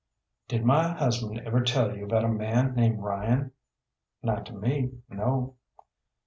"Did my husband ever tell you about a man named Ryan?" "Not to me no."